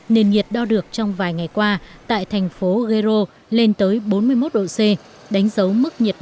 nền nhiệt đo được trong vài ngày qua tại thành phố gero lên tới bốn mươi một độ c đánh dấu mức nhiệt độ cao thứ hai từng được ghi nhận tại nhật bản